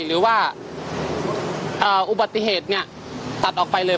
หรือว่าอุบัติเหตุเนี่ยตัดออกไปเลย